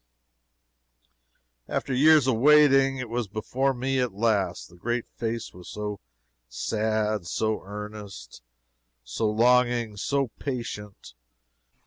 After years of waiting, it was before me at last. The great face was so sad, so earnest, so longing, so patient.